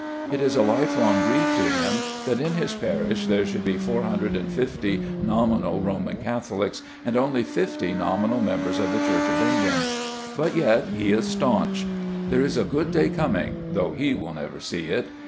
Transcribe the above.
It is a life long grief to him that in his parish there should be four hundred and fifty nominal Roman Catholics, and only fifty nominal members of the Church of England. But yet he is staunch. There is a good day coming, though he will never see it.